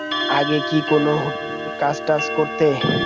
আগে কি কোনো হোটেলে কাজটাজ করতে?